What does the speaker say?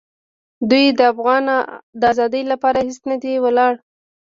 دوی د افغان د آزادۍ لپاره هېڅ نه دي ولاړ.